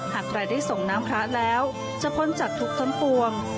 หากใครได้ส่งน้ำพระแล้วจะพ้นจากทุกต้นปวง